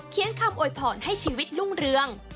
เขียนคำโอยพรให้ชีวิตลุ้งเรื่อง